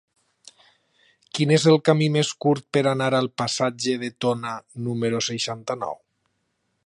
Quin és el camí més curt per anar al passatge de Tona número seixanta-nou?